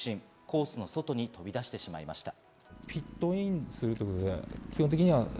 コースの外に飛び出してしまいました。